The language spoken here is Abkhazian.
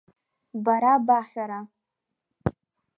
Бара баҳәара…